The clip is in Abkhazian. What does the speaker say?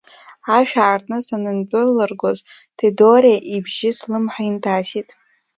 Ашә аартны санындәылыргоз, Ҭедоре ибжьы слымҳа инҭасит.